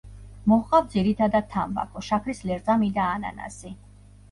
მოჰყავთ ძირითადად თამბაქო, შაქრის ლერწამი და ანანასი.